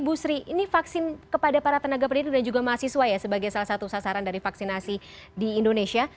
bu sri ini vaksin kepada para tenaga pendidik dan juga mahasiswa ya sebagai salah satu sasaran dari vaksinasi di indonesia